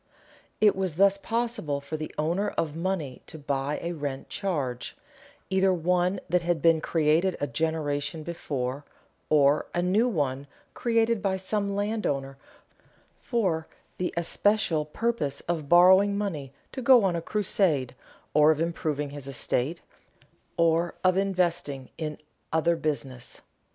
It was thus possible for the owner of money to buy a rent charge, either one that had been created a generation before, or a new one created by some landowner for the especial purpose of borrowing money to go on a crusade or of improving his estate or of investing in other business.